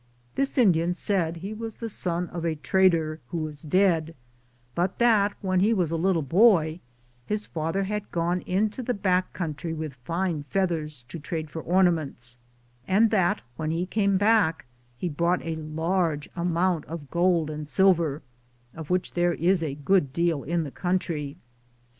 This Indian said he was the Bon of a trader who was dead, but that when he was a little boy his father had gone into the hack country with fine feathers to trade for ornaments, and that when he came back he brought a large amount of gold and silver, of which there is a good deal in that coun try.